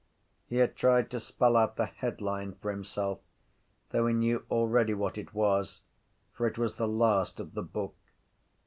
He had tried to spell out the headline for himself though he knew already what it was for it was the last of the book.